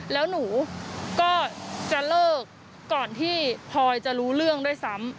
แล้วหนูก็จะเลิกก่อนที่พลอยจะรู้เรื่องด้วยซ้ำ